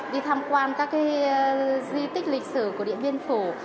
đi tham quan các di tích lịch sử của điện biên phủ